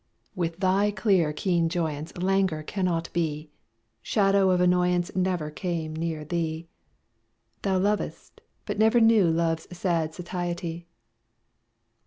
With thy clear keen joyance Languor cannot be: Shadow of annoyance Never came near thee: Thou lovest: but ne'er knew love's sad satiety.